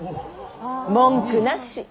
文句なし。